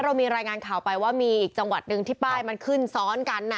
เรามีรายงานข่าวไปว่ามีอีกจังหวัดหนึ่งที่ป้ายมันขึ้นซ้อนกัน